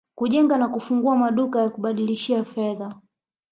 kujenga na kufungua maduka ya kubadilishia fedha